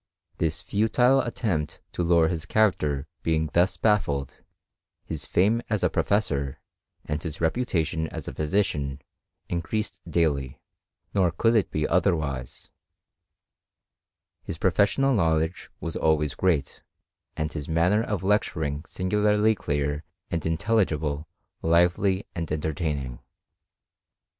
This futile attempt to lower his character being thus baffled, his fame as a professor, and his reputation as a physician, increased daily : nor could it be other wise ; his professional knowledge was always great, and his manner of lecturing singularly clear and in telligible, lively, and entertaining.